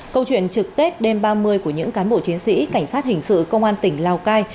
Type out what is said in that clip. câu chuyện trực tết đêm ba mươi của những cán bộ chiến sĩ cảnh sát hình sự công an tỉnh lào cai